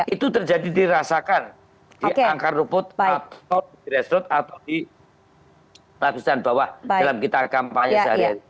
itu terjadi dirasakan di angka ruput atau di grassroot atau di lapisan bawah dalam gitar kampanye sehari hari